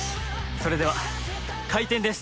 それでは開店です！